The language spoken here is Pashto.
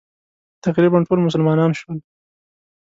تقریباً ټول مسلمانان شول.